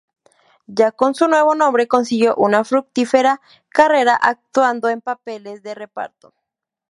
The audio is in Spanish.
Ya con su nuevo nombre, consiguió una fructífera carrera actuando en papeles de reparto.